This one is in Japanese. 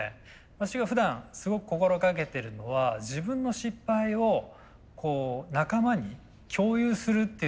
私がふだんすごく心がけてるのは自分の失敗を仲間に共有するっていうのはすごく意識してますね。